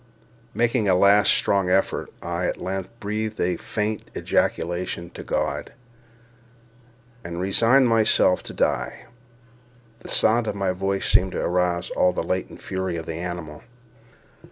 Making a last strong effort, I at length breathed a faint ejaculation to God, and resigned myself to die. The sound of my voice seemed to arouse all the latent fury of the animal.